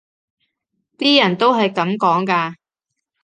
啲人都係噉講㗎